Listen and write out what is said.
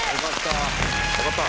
よかった。